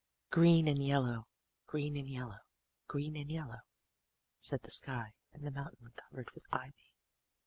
Green and yellow, green and yellow, green and yellow, said the sky and the mountain covered with ivy.